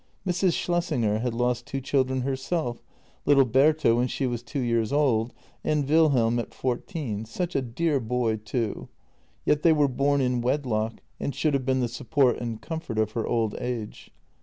Mrs. Schlessinger had lost two children herself — little > Bertha when she was two years old, and Wilhelm at fourteen, such a dear boy too — yet they were bom in wedlock and should have been the support and comfort of her old age.